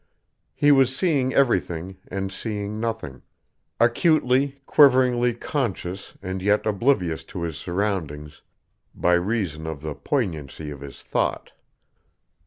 He was seeing everything and seeing nothing; acutely, quiveringly conscious and yet oblivious to his surroundings by reason of the poignancy of his thought.